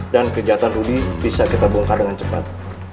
dan kejahatan rudy bisa kita bongkar dengan cepat